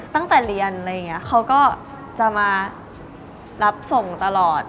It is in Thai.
ตั้งแต่เรียนเขาก็จะมารับส่งตลอด